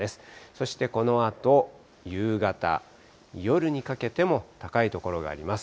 そしてこのあと夕方、夜にかけても高い所があります。